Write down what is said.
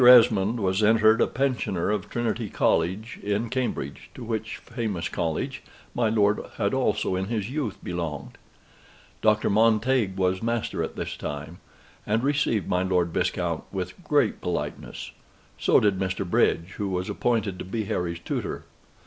Esmond was entered a pensioner of Trinity College in Cambridge, to which famous college my lord had also in his youth belonged. Dr. Montague was master at this time, and received my Lord Viscount with great politeness: so did Mr. Bridge, who was appointed to be Harry's tutor.